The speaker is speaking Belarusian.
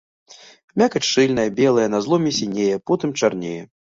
Мякаць шчыльная, белая, на зломе сінее, потым чарнее.